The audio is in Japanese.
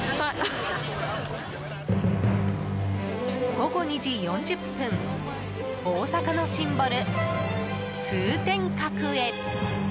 午後２時４０分大阪のシンボル、通天閣へ。